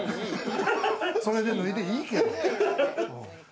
それで脱いでいいけど。